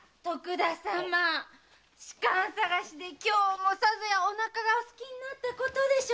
仕官探しで今日もさぞやお腹がお空きになったことでしょう。